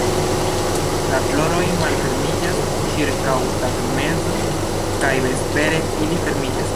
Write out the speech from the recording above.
La floroj malfermiĝas ĉirkaŭ tagmezo kaj vespere ili fermiĝas.